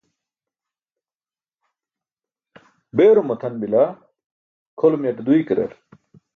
beerum matʰan bila kʰolum yaṭe duykarar?